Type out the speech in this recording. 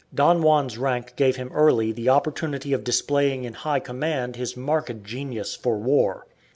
Don Juan's rank gave him early the opportunity of displaying in high command his marked genius for war.